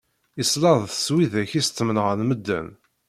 Iṣella-d s widak i s ttmenɣan medden.